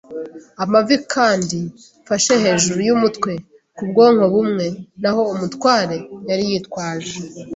amavi kandi mfashe hejuru yumutwe, kubwoko bumwe. Naho umutware, yari yitwaje